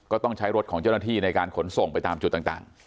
ก็ต้องใช้รถของเจ้าหน้าที่ในการขนส่งไปตามจุดต่าง